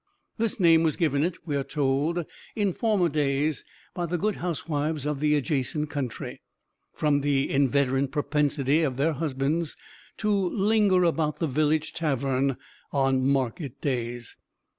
This name was given it, we are told, in former days, by the good housewives of the adjacent country, from the inveterate propensity of their husbands to linger about the village tavern on market days.